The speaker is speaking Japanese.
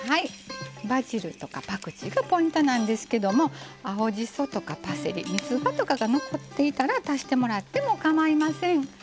バジルとかパクチーがポイントなんですけども青じそとかパセリみつばとかが残っていたら足してもらってもかまいません。